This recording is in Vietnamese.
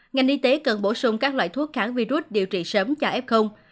ngành y tế cần bổ sung các loại thuốc kháng virus điều trị sớm cho f